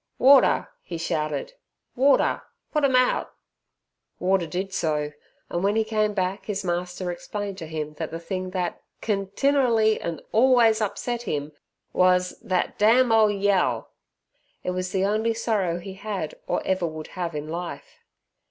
"Warder," he shouted, "Warder, put 'em out!" Warder did so, and when he came back his master explained to him that the thing that "continerally an' orlways" upset him was "thet dam old yeo". It was the only sorrow he had or ever would have in life.